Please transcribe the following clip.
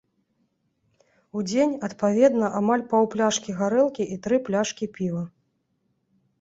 У дзень, адпаведна, амаль паўпляшкі гарэлкі, і тры пляшкі піва.